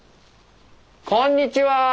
こんにちは！